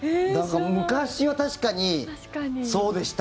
昔は確かにそうでした。